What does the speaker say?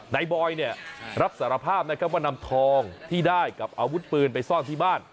บอยเนี่ยรับสารภาพนะครับว่านำทองที่ได้กับอาวุธปืนไปซ่อนที่บ้าน